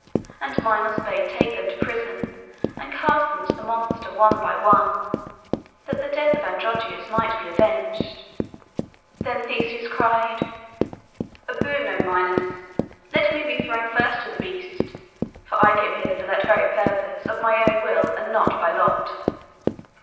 And Minos bade take them to prison, and cast them to the monster one by one, that the death of Androgeos might be avenged. Then Theseus cried— 'A boon, O Minos! Let me be thrown first to the beast. For I came hither for that very purpose, of my own will, and not by lot.